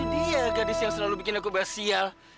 itu dia gadis yang selalu bikin aku bahas sial